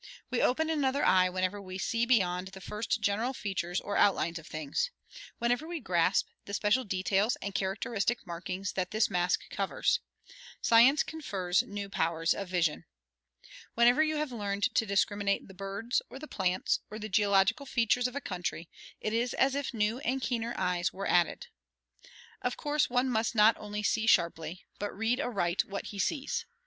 We open another eye whenever we see beyond the first general features or outlines of things whenever we grasp the special details and characteristic markings that this mask covers. Science confers new powers of vision. Whenever you have learned to discriminate the birds, or the plants, or the geological features of a country, it is as if new and keener eyes were added. Of course one must not only see sharply, but read aright what he sees.